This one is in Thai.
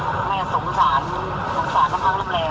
แม่สงสารสงสารทั้งร่ำแรง